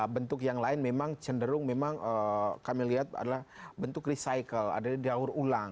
bentuk yang lain memang cenderung memang kami lihat adalah bentuk recycle ada daur ulang